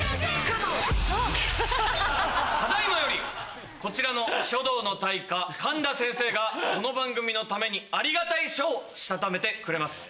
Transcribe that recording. ただ今よりこちらの書道の大家神田先生がこの番組のためにありがたい書をしたためてくれます。